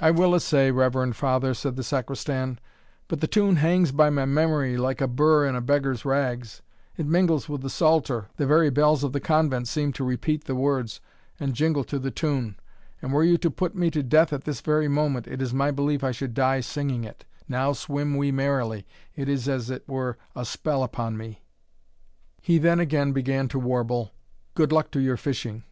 "I will essay, reverend Father," said the Sacristan, "but the tune hangs by my memory like a bur in a beggar's rags; it mingles with the psalter the very bells of the convent seem to repeat the words, and jingle to the tune; and were you to put me to death at this very moment, it is my belief I should die singing it 'Now swim we merrily' it is as it were a spell upon me." He then again began to warble "Good luck to your fishing."